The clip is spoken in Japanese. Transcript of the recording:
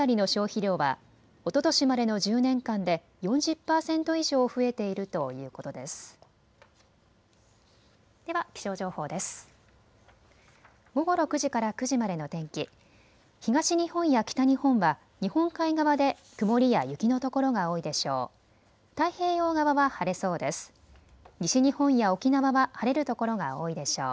東日本や北日本は日本海側で曇りや雪のところが多いでしょう。